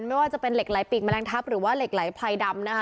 ไม่ว่าจะเป็นเหล็กไหลปีกแมลงทัพหรือว่าเหล็กไหลไพรดำนะคะ